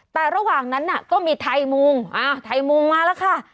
แต่ระหว่างนั้นก็มีไทยมุงไทยมุงมาแล้วค่ะ